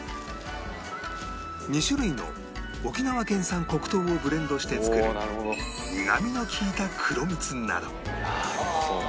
２種類の沖縄県産黒糖をブレンドして作る苦みの利いた黒蜜など